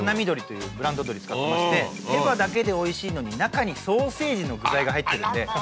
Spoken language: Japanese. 鳥というブランド鶏使ってまして手羽だけでおいしいのに中にソーセージの具材が入ってるんで。